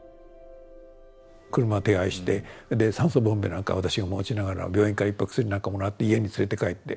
車手配して酸素ボンベなんか私が持ちながら病院からいっぱい薬なんかもらって家に連れて帰って。